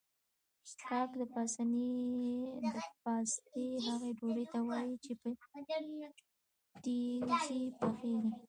کاک د پاستي هغې ډوډۍ ته وايي چې په تبخي پخیږي